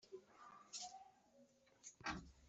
El idioma llegó a África en tiempo de las colonias.